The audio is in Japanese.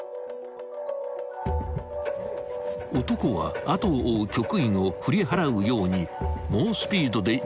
［男は後を追う局員を振り払うように猛スピードで自転車をこぎ